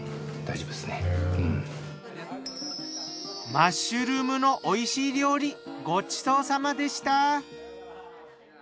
マッシュルームのおいしい料理ごちそうさまでした。